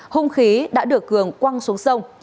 hung khí đã được cường quăng xuống sông